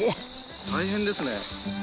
大変ですね。